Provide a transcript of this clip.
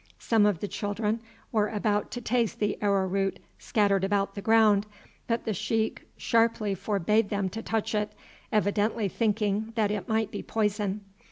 Some of the children were about to taste the arrow root scattered about the ground, but the sheik sharply forbade them to touch it, evidently thinking that it might be poison.